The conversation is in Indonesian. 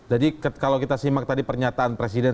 jadi kalau kita simak tadi pernyataan presiden